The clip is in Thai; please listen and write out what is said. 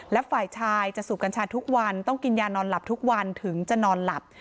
และฝ่ายชายจะสูบกัญชาทุกวันต้องกินยานอนหลับทุกวันถึงจะนอนหลับ